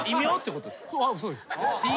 そうです。